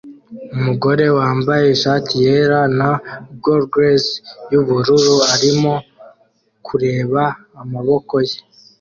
Umugore wambaye ishati yera na gogles yubururu arimo kureba amaboko ye